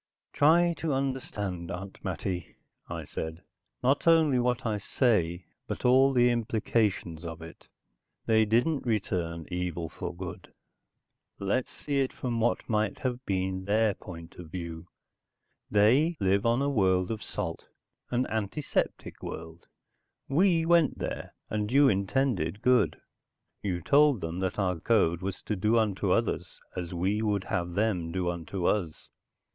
"Try to understand, Aunt Mattie," I said. "Not only what I say, but all the implications of it. They didn't return evil for good. Let's see it from what might have been their point of view. They live on a world of salt, an antiseptic world. We went there, and you intended good. You told them that our code was to do unto others as we would have them do unto us.